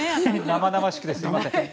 生々しくてすいません。